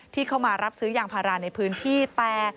ที่เข้ามารับซื้อยางพาราในพื้นที่แต่